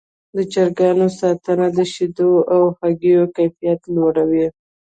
د چرګانو ساتنه د شیدو او هګیو کیفیت لوړوي.